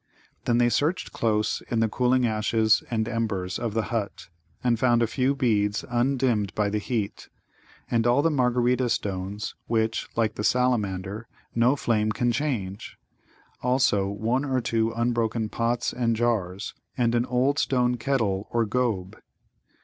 Then they searched close in the cooling ashes and embers of the hut, and found a few beads undimmed by the heat, and all the Margarita stones, which, like the Salamander, no flame can change; also, one or two unbroken pots and jars and an old stone kettle or Ghôb.